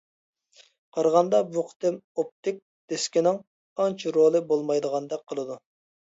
قارىغاندا بۇ قېتىم ئوپتىك دىسكىنىڭ ئانچە رولى بولمايدىغاندەك قىلىدۇ.